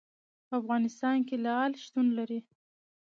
په افغانستان کې لعل شتون لري.